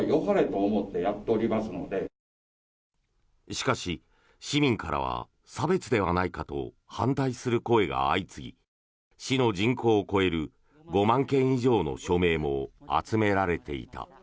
しかし、市民からは差別ではないかと反対する声が相次ぎ市の人口を超える５万件以上の署名も集められていた。